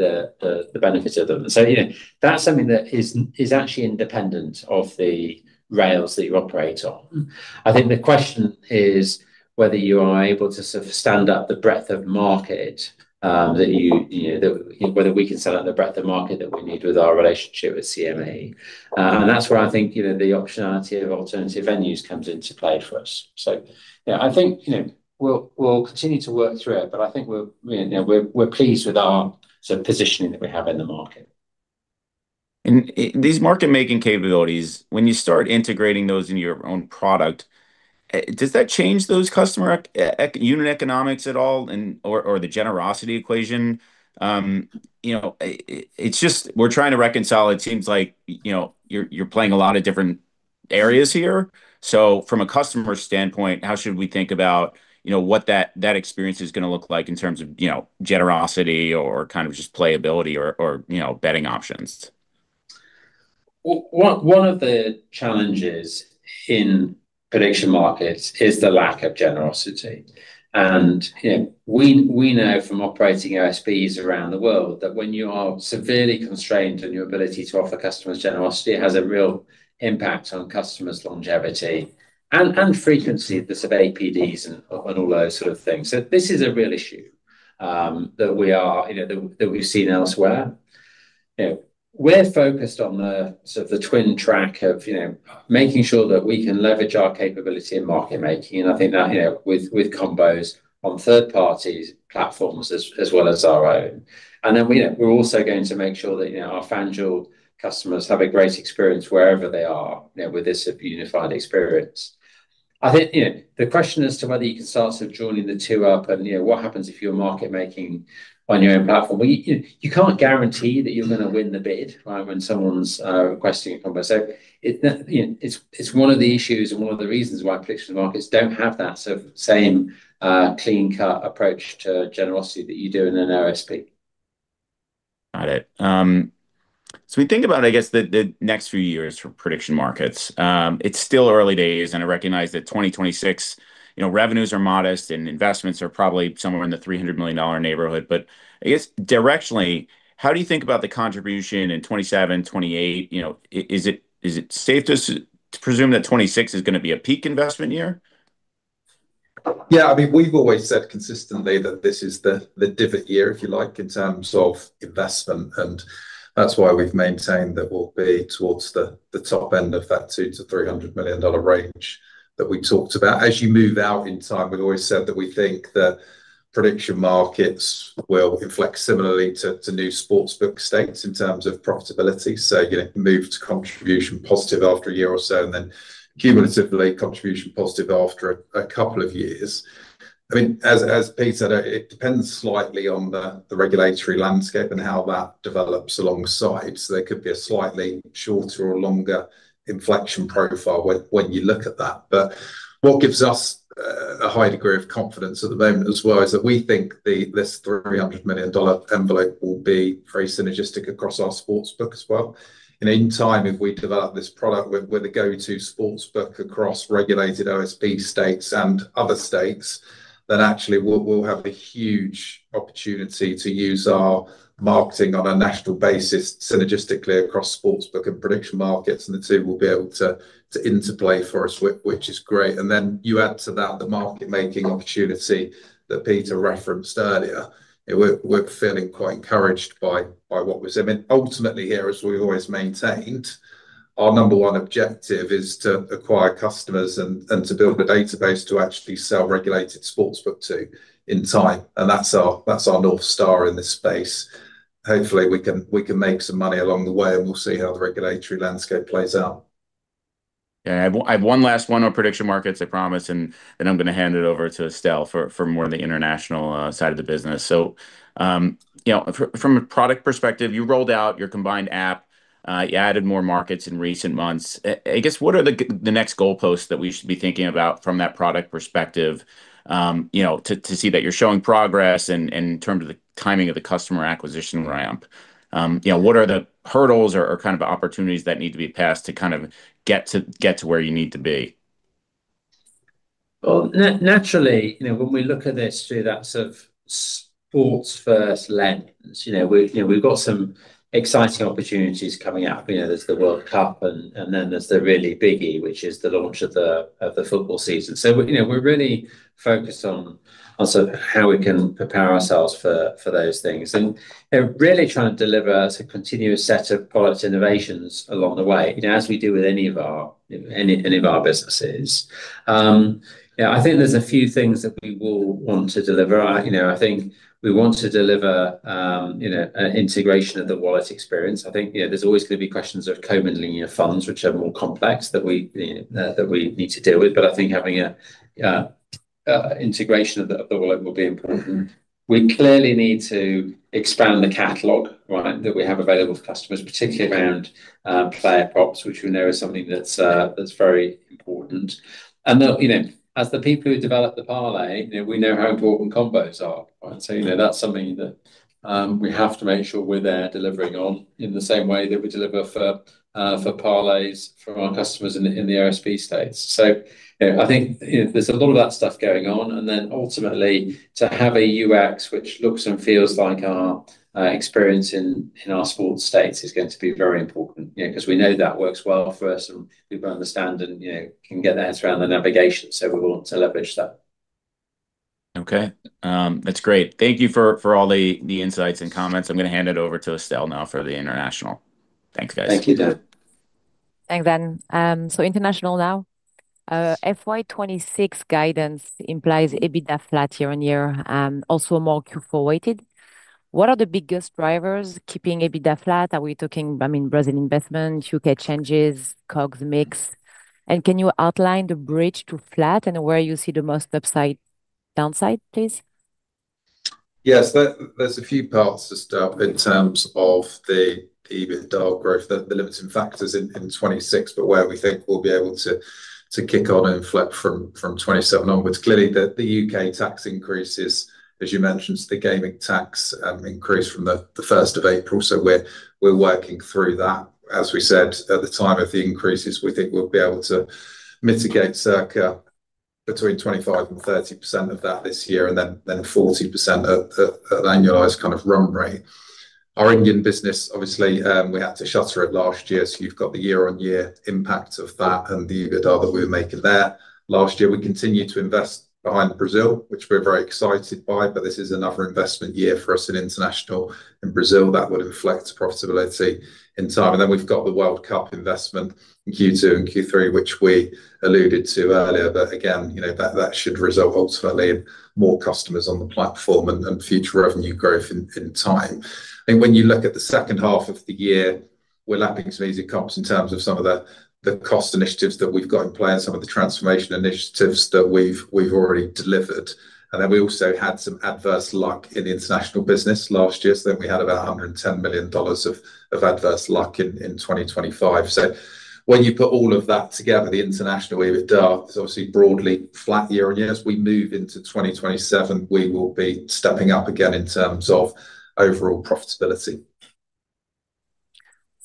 benefit of them. You know, that's something that is actually independent of the rails that you operate on. I think the question is whether you are able to sort of stand up the breadth of market, that you know, that whether we can sell at the breadth of market that we need with our relationship with CME. That's where I think, you know, the optionality of alternative venues comes into play for us. You know, I think, you know, we'll continue to work through it, but I think we're pleased with our sort of positioning that we have in the market. These market-making capabilities, when you start integrating those into your own product, does that change those customer unit economics at all and/or the generosity equation? You know, it's just we're trying to reconcile, it seems like, you know, you're playing a lot of different areas here. From a customer standpoint, how should we think about, you know, what that experience is gonna look like in terms of, you know, generosity or kind of just playability or, you know, betting options? One of the challenges in prediction markets is the lack of generosity. You know, we know from operating OSBs around the world that when you are severely constrained in your ability to offer customers generosity, it has a real impact on customers' longevity and frequency of the sort of APDs and all those sort of things. This is a real issue, you know, that we are, you know, that we've seen elsewhere. You know, we're focused on the sort of the twin track of, you know, making sure that we can leverage our capability in market-making. I think that, you know, with combos on third parties platforms as well as our own. Then, you know, we're also going to make sure that, you know, our FanDuel customers have a great experience wherever they are, you know, with this sort of unified experience. I think, you know, the question as to whether you can start sort of joining the two up and, you know, what happens if you're market-making on your own platform. Well, you can't guarantee that you're gonna win the bid, right, when someone's requesting a combo. It, you know, it's one of the issues and one of the reasons why prediction markets don't have that sort of same clean cut approach to generosity that you do in an RSB. Got it. We think about, I guess, the next few years for prediction markets. It's still early days, and I recognize that 2026, you know, revenues are modest, and investments are probably somewhere in the $300 million neighborhood. I guess directionally, how do you think about the contribution in 2027, 2028? You know, is it safe to presume that 2026 is gonna be a peak investment year? Yeah. I mean, we've always said consistently that this is the divot year, if you like, in terms of investment, and that's why we've maintained that we'll be towards the top end of that $200 million-$300 million range. That we talked about. As you move out in time, we've always said that we think that prediction markets will inflect similarly to new sportsbook states in terms of profitability. You know, move to contribution positive after a year or so, and then cumulatively contribution positive after a couple of years. I mean, as Peter said, it depends slightly on the regulatory landscape and how that develops alongside. There could be a slightly shorter or longer inflection profile when you look at that. What gives us a high degree of confidence at the moment as well, is that we think this $300 million envelope will be very synergistic across our sportsbook as well. In time, if we develop this product, we're the go-to sportsbook across regulated OSB states and other states, actually we'll have a huge opportunity to use our marketing on a national basis synergistically across sportsbook and prediction markets, and the two will be able to interplay for us, which is great. Then you add to that the market making opportunity that Peter referenced earlier. You know, we're feeling quite encouraged by what we're seeing. Ultimately here, as we've always maintained, our number one objective is to acquire customers and to build a database to actually sell regulated sportsbook to in time, and that's our North Star in this space. Hopefully, we can make some money along the way, we'll see how the regulatory landscape plays out. Yeah. I've one last one on prediction markets, I promise, and then I'm gonna hand it over to Estelle for more of the international side of the business. You know, from a product perspective, you rolled out your combined app, you added more markets in recent months. I guess, what are the next goalposts that we should be thinking about from that product perspective, you know, to see that you're showing progress in terms of the timing of the customer acquisition ramp? You know, what are the hurdles or kind of opportunities that need to be passed to kind of get to where you need to be? Well, naturally, you know, when we look at this through that sort of sports first lens, we've got some exciting opportunities coming up. You know, there's the World Cup, and then there's the really biggie, which is the launch of the football season. You know, we're really focused on sort of how we can prepare ourselves for those things. You know, really trying to deliver a continuous set of product innovations along the way, you know, as we do with any of our businesses. Yeah, I think there's a few things that we will want to deliver. I think we want to deliver, you know, an integration of the wallet experience. I think, you know, there's always gonna be questions of co-mingling your funds, which are more complex that we, you know, that we need to deal with. I think having a integration of the wallet will be important. We clearly need to expand the catalog, right, that we have available for customers, particularly around player props, which we know is something that's very important. They'll, you know, as the people who develop the parlay, you know, we know how important combos are. That's something that we have to make sure we're there delivering on in the same way that we deliver for parlays from our customers in the OSB states. I think, you know, there's a lot of that stuff going on. Ultimately, to have a UX which looks and feels like our experience in our sports states is going to be very important. You know, 'cause we know that works well for us, and people understand and, you know, can get their heads around the navigation. We want to leverage that. Okay. That's great. Thank you for all the insights and comments. I'm gonna hand it over to Estelle now for the international. Thanks, guys. Thank you, Dan. Thanks, Dan. International now. FY 2026 guidance implies EBITDA flat year-on-year, also more Q4 weighted. What are the biggest drivers keeping EBITDA flat? Are we talking, I mean, Brazil investment, U.K. changes, COGS mix? Can you outline the bridge to flat and where you see the most upside, downside, please? Yes. There's a few parts to start in terms of the EBITDA growth, the limiting factors in 2026, but where we think we'll be able to kick on and flip from 2027 onwards. Clearly, the U.K. tax increases, as you mentioned, the gaming tax, increase from the 1st of April. We're working through that. As we said at the time of the increases, we think we'll be able to mitigate circa between 25% and 30% of that this year, and then 40% at an annualized kind of run rate. Our Indian business, obviously, we had to shutter it last year, so you've got the year-on-year impact of that and the EBITDA that we were making there. Last year, we continued to invest behind Brazil, which we're very excited by, but this is another investment year for us in international. In Brazil, that would inflect profitability in time. We've got the World Cup investment in Q2 and Q3, which we alluded to earlier. Again, you know, that should result ultimately in more customers on the platform and future revenue growth in time. I think when you look at the second half of the year, we're lapping some easy comps in terms of some of the cost initiatives that we've got in play and some of the transformation initiatives that we've already delivered. We also had some adverse luck in the international business last year. I think we had about $110 million of adverse luck in 2025. When you put all of that together, the international EBITDA is obviously broadly flat year-on-year. As we move into 2027, we will be stepping up again in terms of overall profitability.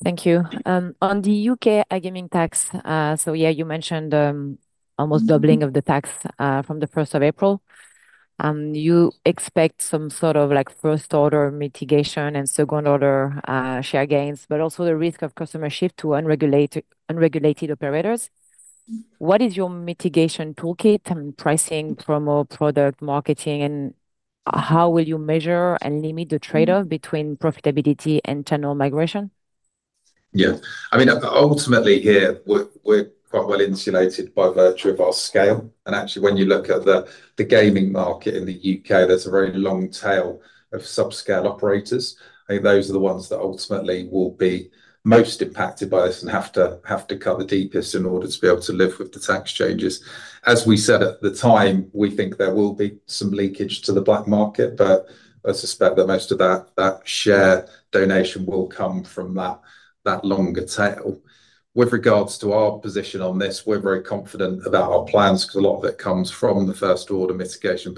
Thank you. On the U.K. iGaming tax, you mentioned almost doubling of the tax from the first of April. You expect some sort of first order mitigation and second order share gains, also the risk of customer shift to unregulated operators. What is your mitigation toolkit and pricing promo product marketing, how will you measure and limit the trade-off between profitability and channel migration? Yeah. I mean, ultimately here we're quite well insulated by virtue of our scale. Actually, when you look at the gaming market in the U.K., there's a very long tail of sub-scale operators. I think those are the ones that ultimately will be most impacted by this and have to cut the deepest in order to be able to live with the tax changes. As we said at the time, we think there will be some leakage to the black market, but I suspect that most of that share donation will come from that longer tail. With regards to our position on this, we're very confident about our plans because a lot of it comes from the first order mitigation.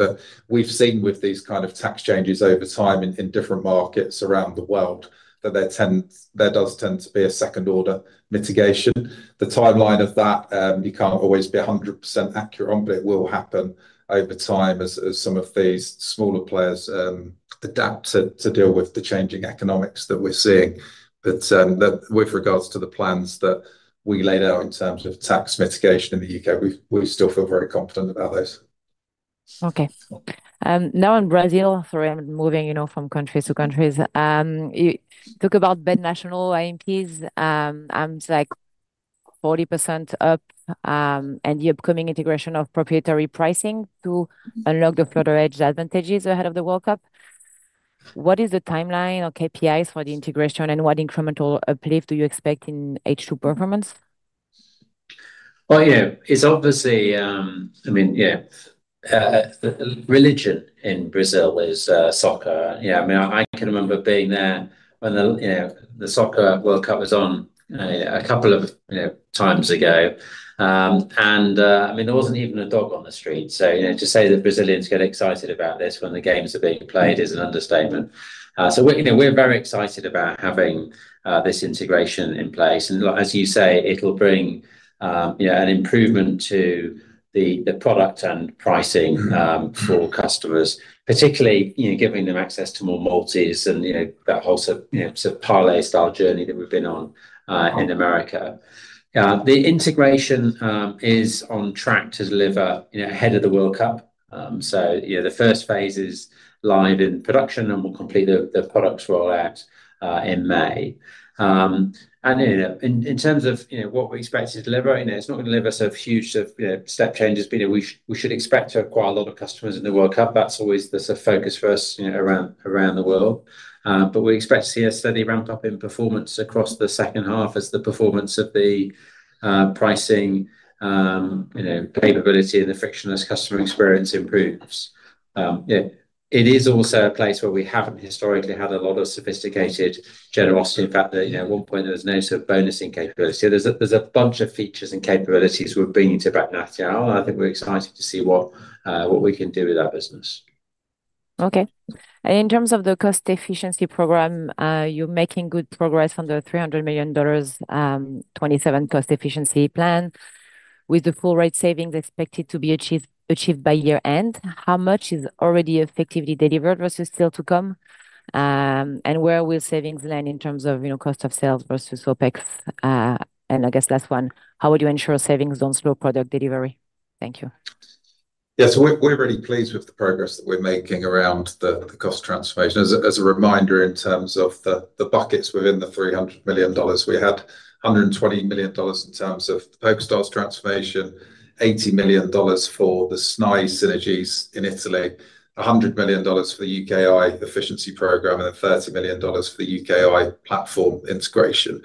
We've seen with these kind of tax changes over time in different markets around the world that there does tend to be a second order mitigation. The timeline of that, you can't always be 100% accurate on, but it will happen over time as some of these smaller players adapt to deal with the changing economics that we're seeing. With regards to the plans that we laid out in terms of tax mitigation in the U.K., we still feel very confident about those. Okay. Now in Brazil, sorry, I'm moving, you know, from countries to countries. You talk about Betnacional AMPs, like 40% up, and the upcoming integration of proprietary pricing to unlock the further edge advantages ahead of the World Cup. What is the timeline or KPIs for the integration, and what incremental uplift do you expect in H2 performance? You know, it's obviously, I mean, yeah, religion in Brazil is soccer. I mean, I can remember being there when the, you know, the World Cup was on, a couple of, you know, times ago. I mean, there wasn't even a dog on the street. You know, to say that Brazilians get excited about this when the games are being played is an understatement. We're, you know, we're very excited about having this integration in place. Like, as you say, it'll bring, you know, an improvement to the product and pricing for customers, particularly, you know, giving them access to more multis and you know, that whole sort of, you know, sort of parlay style journey that we've been on in America. The integration is on track to deliver ahead of the World Cup. The first phase is live in production, we'll complete the products rollout in May. In terms of what we expect it to deliver, it's not gonna deliver sort of huge sort of step changes, we should expect to acquire a lot of customers in the World Cup. That's always the sort of focus for us around the world. We expect to see a steady ramp-up in performance across the second half as the performance of the pricing capability and the frictionless customer experience improves. It is also a place where we haven't historically had a lot of sophisticated generosity. At one point there was no sort of bonusing capability. There's a bunch of features and capabilities we're bringing to Betnacional, and I think we're excited to see what we can do with that business. Okay. In terms of the cost efficiency program, you're making good progress on the $300 million 2027 cost efficiency plan with the full rate savings expected to be achieved by year-end. How much is already effectively delivered versus still to come? Where will savings land in terms of, you know, cost of sales versus OpEx? I guess last one, how would you ensure savings on slow product delivery? Thank you. We're really pleased with the progress that we're making around the cost transformation. As a reminder, in terms of the buckets within the $300 million, we had $120 million in terms of PokerStars transformation, $80 million for the SNAI synergies in Italy, $100 million for the UKI efficiency program, and then $30 million for the UKI platform integration.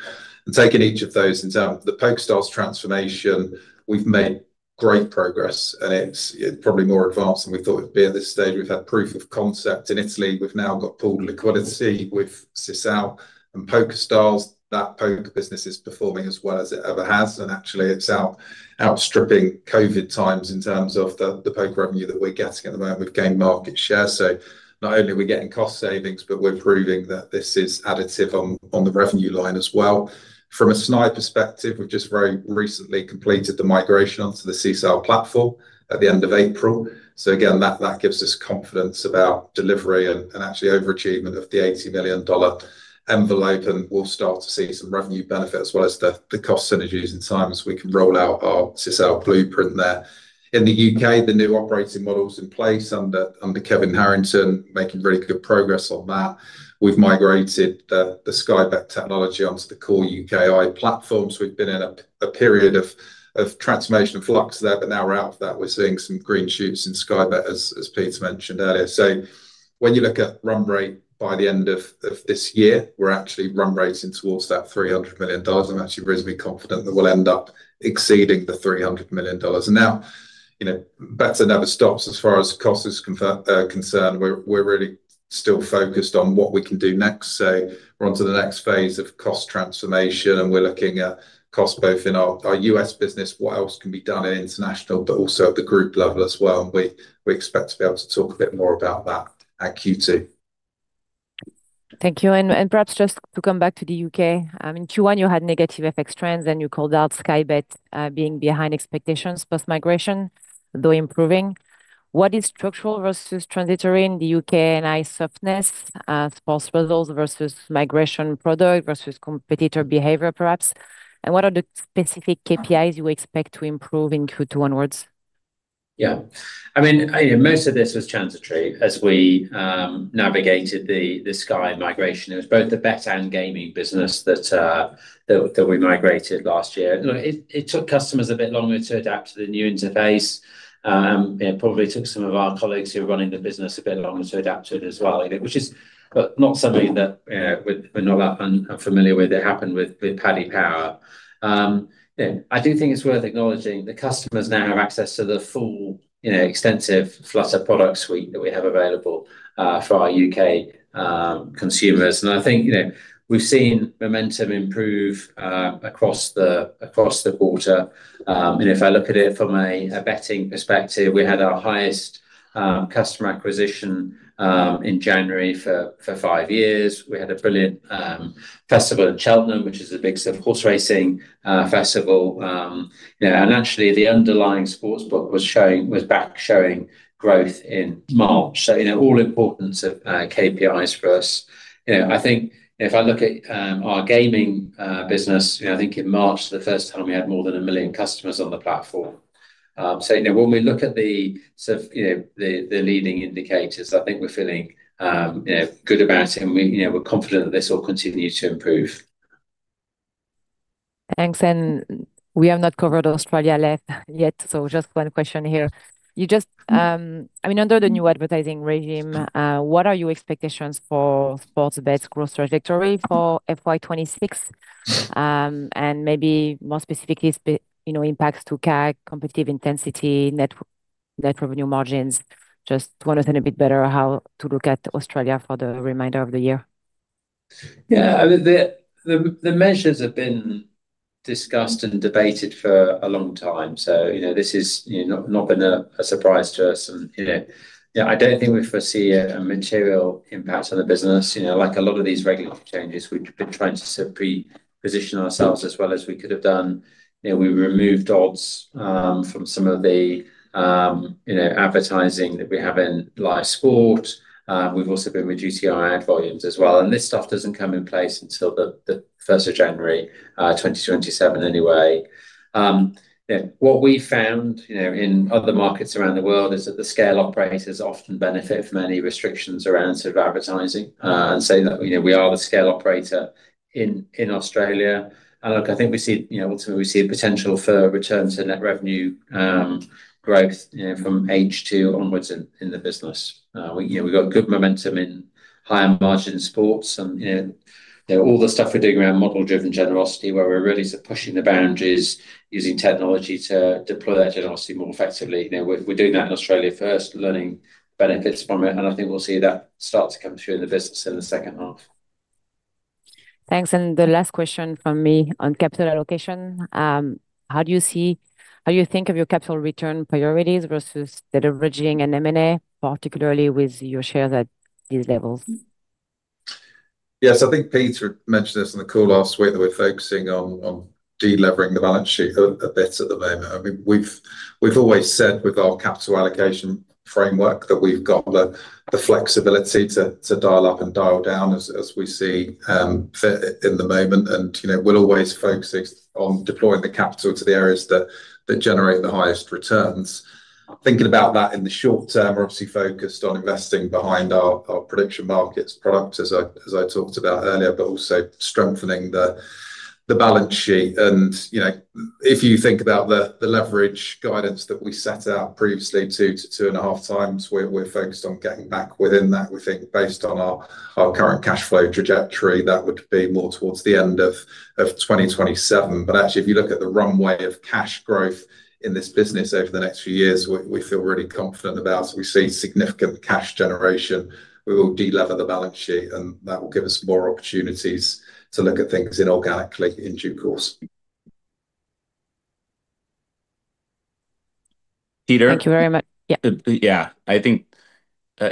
Taking each of those in turn, the PokerStars transformation, we've made great progress, and it's, you know, probably more advanced than we thought it'd be at this stage. We've had proof of concept in Italy. We've now got pooled liquidity with Sisal and PokerStars. That poker business is performing as well as it ever has, and actually it's outstripping COVID times in terms of the poker revenue that we're getting at the moment. We've gained market share. Not only are we getting cost savings, but we're proving that this is additive on the revenue line as well. From a SNAI perspective, we've just very recently completed the migration onto the Sisal platform at the end of April. Again, that gives us confidence about delivery and actually overachievement of the $80 million envelope, and we'll start to see some revenue benefit as well as the cost synergies in time as we can roll out our Sisal blueprint there. In the U.K., the new operating model's in place under Kevin Harrington, making really good progress on that. We've migrated the Sky Bet technology onto the core UKI platform, We've been in a period of transformation and flux there. Now we're out of that. We're seeing some green shoots in Sky Bet, as Pete's mentioned earlier. When you look at run rate by the end of this year, we're actually run rating towards that $300 million. I'm actually reasonably confident that we'll end up exceeding the $300 million. Now, you know, better never stops as far as cost is concerned. We're really still focused on what we can do next. We're onto the next phase of cost transformation, and we're looking at cost both in our U.S. business, what else can be done in international, but also at the group level as well, and we expect to be able to talk a bit more about that at Q2. Thank you. Perhaps just to come back to the U.K. In Q1 you had negative FX trends, and you called out Sky Bet being behind expectations post-migration, though improving. What is structural versus transitory in the UKI softness, sports results versus migration product versus competitor behavior perhaps? What are the specific KPIs you expect to improve in Q2 onwards? Yeah. I mean, you know, most of this was transitory as we navigated the Sky migration. It was both the bet and gaming business that we migrated last year. Look, it took customers a bit longer to adapt to the new interface. It probably took some of our colleagues who were running the business a bit longer to adapt to it as well. Which is not something that we're not unfamiliar with. It happened with Paddy Power. Yeah, I do think it's worth acknowledging the customers now have access to the full, you know, extensive Flutter product suite that we have available for our U.K. consumers. I think, you know, we've seen momentum improve across the quarter. If I look at it from a betting perspective, we had our highest customer acquisition in January for five years. We had a brilliant festival at Cheltenham, which is a big sort of horse racing festival. You know, actually the underlying sportsbook was back showing growth in March. You know, all important KPIs for us. You know, I think if I look at our gaming business, you know, I think in March, the first time we had more than 1 million customers on the platform. You know, when we look at the sort of, you know, the leading indicators, I think we're feeling, you know, good about it, and we, you know, we're confident that this will continue to improve. Thanks. We have not covered Australia left yet, so just one question here. You just, I mean, under the new advertising regime, what are your expectations for Sportsbet growth trajectory for FY 2026? Maybe more specifically is the, you know, impacts to CAC, competitive intensity, net revenue margins. Just wanna understand a bit better how to look at Australia for the remainder of the year. Yeah. I mean, the measures have been discussed and debated for a long time, you know, this is, you know, not been a surprise to us. You know, I don't think we foresee a material impact on the business. You know, like a lot of these regulatory changes, we've been trying to sort of pre-position ourselves as well as we could have done. You know, we removed odds from some of the, you know, advertising that we have in live sport. We've also been reducing our ad volumes as well. This stuff doesn't come in place until the 1st of January, 2027 anyway. You know, what we found, you know, in other markets around the world is that the scale operators often benefit from any restrictions around sort of advertising. That, you know, we are the scale operator in Australia. Look, I think we see, you know, ultimately we see a potential for return to net revenue growth, you know, from H2 onwards in the business. We, you know, we've got good momentum in higher margin sports and, you know, all the stuff we're doing around model-driven generosity, where we're really sort of pushing the boundaries using technology to deploy that generosity more effectively. You know, we're doing that in Australia first, learning benefits from it, and I think we'll see that start to come through in the business in the second half. Thanks. The last question from me on capital allocation, how do you think of your capital return priorities versus deleveraging and M&A, particularly with your share at these levels? Yes, I think Peter mentioned this on the call last week, that we're focusing on delevering the balance sheet a bit at the moment. I mean, we've always said with our capital allocation framework that we've got the flexibility to dial up and dial down as we see fit in the moment. You know, we'll always focus on deploying the capital to the areas that generate the highest returns. Thinking about that in the short term, we're obviously focused on investing behind our FanDuel Predicts, as I talked about earlier, but also strengthening the balance sheet. You know, if you think about the leverage guidance that we set out previously, 2x-2.5x, we're focused on getting back within that. We think based on our current cash flow trajectory, that would be more towards the end of 2027. Actually, if you look at the runway of cash growth in this business over the next few years, we feel really confident about. We see significant cash generation. We will delever the balance sheet, and that will give us more opportunities to look at things inorganically in due course. Thank you very much. Peter? Yeah. Yeah, I think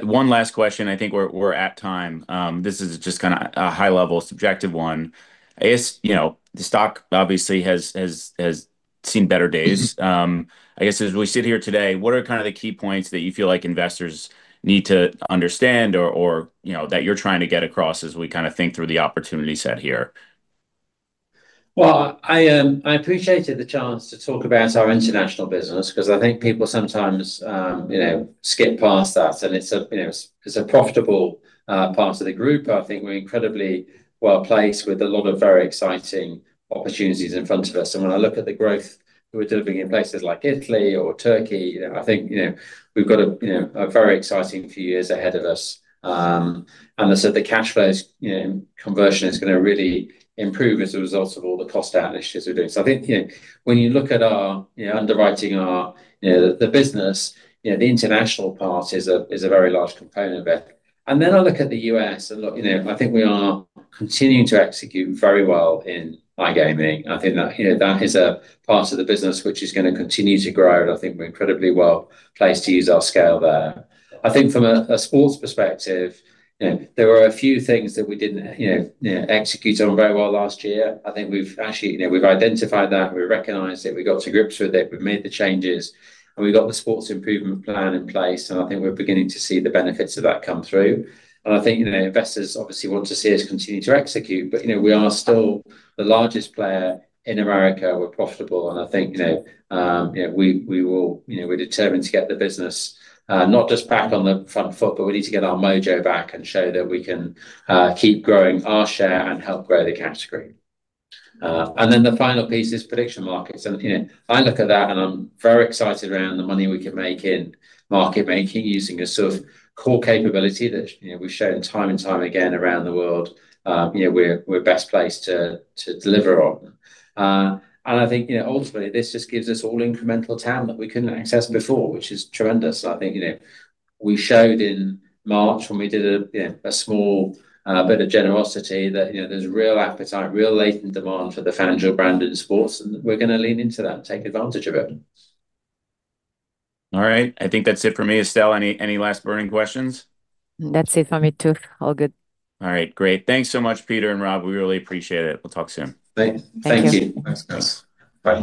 one last question. I think we're at time. This is just kinda a high-level subjective one. I guess, you know, the stock obviously has seen better days. I guess as we sit here today, what are kind of the key points that you feel like investors need to understand or, you know, that you're trying to get across as we kind of think through the opportunity set here? Well, I appreciated the chance to talk about our international business 'cause I think people sometimes, you know, skip past that, and it's a, you know, it's a profitable part of the group. I think we're incredibly well-placed with a lot of very exciting opportunities in front of us. When I look at the growth that we're delivering in places like Italy or Turkey, you know, I think, you know, we've got a, you know, a very exciting few years ahead of us. As I said, the cash flows, you know, conversion is gonna really improve as a result of all the cost out initiatives we're doing. I think, you know, when you look at our, you know, underwriting, our, you know, the business, you know, the international part is a, is a very large component of it. I look at the U.S. and look, you know, I think we are continuing to execute very well in iGaming. I think that, you know, that is a part of the business which is gonna continue to grow, and I think we're incredibly well placed to use our scale there. I think from a sports perspective, you know, there were a few things that we didn't, you know, execute on very well last year. I think we've actually, you know, we've identified that, we recognized it, we got to grips with it, we've made the changes, and we've got the sports improvement plan in place, and I think we're beginning to see the benefits of that come through. I think, you know, investors obviously want to see us continue to execute, but, you know, we are still the largest player in America. We're profitable, I think, you know, we will, we're determined to get the business not just back on the front foot, but we need to get our mojo back and show that we can keep growing our share and help grow the category. The final piece is prediction markets. You know, I look at that and I'm very excited around the money we can make in market making using a sort of core capability that, you know, we've shown time and time again around the world, we're best placed to deliver on. I think, you know, ultimately, this just gives us all incremental TAM that we couldn't access before, which is tremendous. I think, you know, we showed in March when we did a, you know, a small bit of generosity that, you know, there's real appetite, real latent demand for the FanDuel brand in sports, and we're gonna lean into that and take advantage of it. All right. I think that's it for me. Estelle, any last burning questions? That's it for me too. All good. All right. Great. Thanks so much, Peter and Rob. We really appreciate it. We'll talk soon. Thanks. Thank you. Thanks guys. Bye.